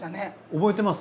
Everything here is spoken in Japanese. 覚えてます？